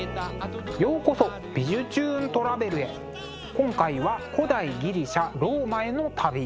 今回は古代ギリシャ・ローマへの旅。